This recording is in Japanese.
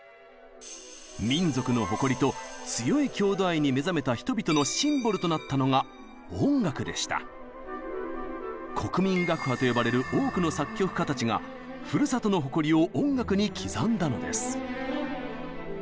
民族の誇りと強い郷土愛に目覚めた人々の国民楽派と呼ばれる多くの作曲家たちがふるさとの誇りを音楽に刻んだのです。